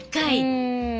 うん！